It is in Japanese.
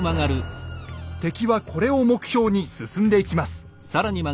敵はこれを目標に進んでいきます。